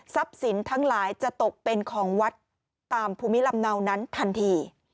สินทั้งหลายจะตกเป็นของวัดตามภูมิลำเนานั้นทันที